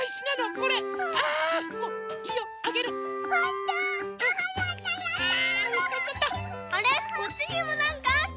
こっちにもなんかあった。